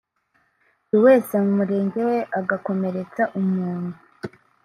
buri wese mu murenge we agakomeretsa umuntu